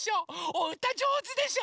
おうたじょうずでしょ？